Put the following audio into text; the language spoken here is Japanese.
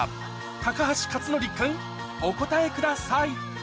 高橋克典君お答えください